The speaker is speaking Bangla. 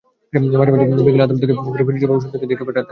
মাঝে মাঝে বিকেলে আদালত থেকে ফিরে ফিরোজের বাবা সুজাতাকে ডেকে পাঠাতেন।